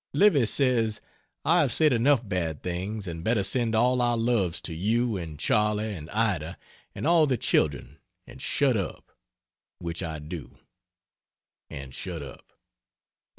Livy says, I have said enough bad things, and better send all our loves to you and Charley and Ida and all the children and shut up. Which I do and shut up.